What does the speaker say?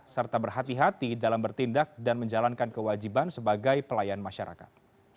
serta berhati hati dalam bertindak dan menjalankan kewajiban sebagai pelayan masyarakat